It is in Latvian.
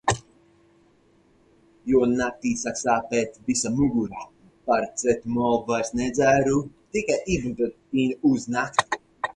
Jo naktī sāk sāpēt visa mugura. Paracetamolu vairs nedzeru, tikai Ibumetīnu uz nakti.